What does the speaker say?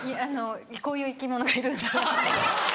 こういう生き物がいるんだな。